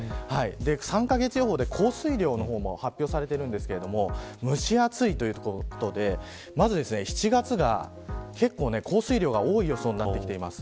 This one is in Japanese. ３カ月予報で降水量も発表されていますが蒸し暑いということでまず、７月が降水量が多い予想になってきています。